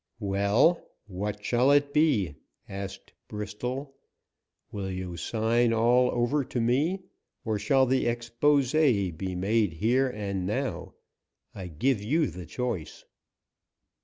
"Well what shall it be?" asked Bristol. "Will you sign all over to me, or shall the expose be made here and now? I give you the choice."